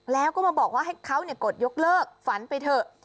แล้วก็มาบอกว่าให้เขากดยกเลิกฝันไปเถอะ